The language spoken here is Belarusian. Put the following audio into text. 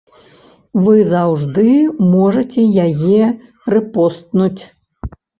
Вы заўжды можаце яе рэпостнуць.